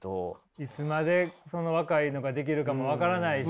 いつまでその若いのができるかも分からないし。